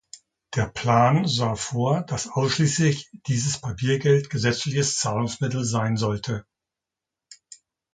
Der Plan sah vor, dass ausschließlich dieses Papiergeld gesetzliches Zahlungsmittel sein sollte.